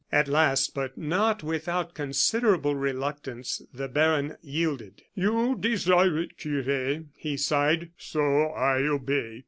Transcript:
At last, but not without considerable reluctance, the baron yielded. "You desire it, cure," he sighed, "so I obey.